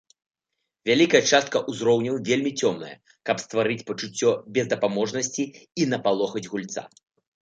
Вялікая частка ўзроўняў вельмі цёмная, каб стварыць пачуццё бездапаможнасці і напалохаць гульца.